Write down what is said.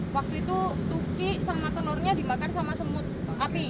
waktu itu tuki sama telurnya dimakan sama semut api